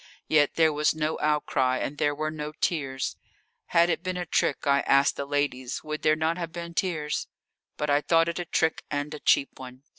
Yet there was no outcry, and there were no tears. Had it been a trick I ask the ladies would there not have been tears? But I thought it a trick and a cheap one.